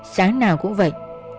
sáng nào cũng vậy